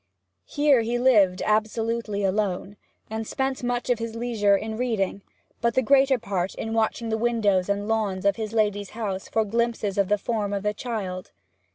Here he lived absolutely alone, and spent much of his leisure in reading, but the greater part in watching the windows and lawns of his lady's house for glimpses of the form of the child.